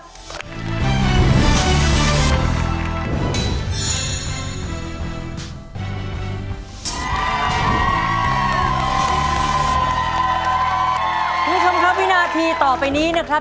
คุณผู้ชมครับวินาทีต่อไปนี้นะครับ